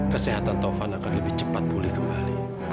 kesehatan tovan akan lebih cepat pulih kembali